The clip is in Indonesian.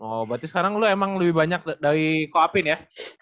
oh berarti sekarang lo emang lebih banyak dari koapin ya